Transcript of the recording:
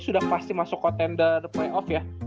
sudah pasti masuk contender play off ya